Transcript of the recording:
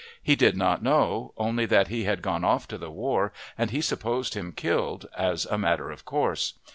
He did not know, only that he had gone off to the war, and he supposed him killed, as a matter of course.